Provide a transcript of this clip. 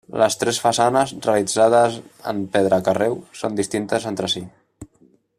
Les tres façanes, realitzades en pedra carreu, són distintes entre si.